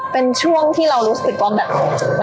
เป็นช่วงที่เรารู้สึกว่าแบบมันหนักไหม